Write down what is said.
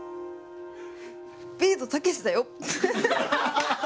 ビートたけしだよ。